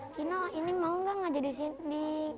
kino ini mau gak ngajarin di kota